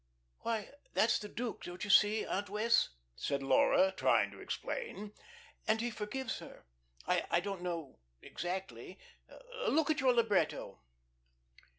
"Why, that's the duke, don't you see, Aunt Wess'?" said Laura trying to explain. "And he forgives her. I don't know exactly. Look at your libretto."